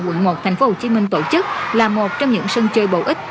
quận một tp hcm tổ chức là một trong những sân chơi bổ ích